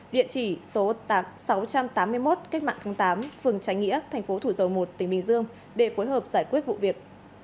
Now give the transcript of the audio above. địa chỉ số sáu trăm tám mươi một cách mạng tháng tám phường trái nghĩa tp thủ dầu một tỉnh bình dương để phối hợp giải quyết vụ việc